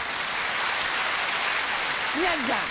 宮治さん。